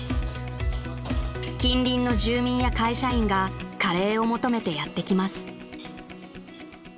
［近隣の住民や会社員がカレーを求めてやって来ます］